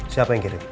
siapa yang kirim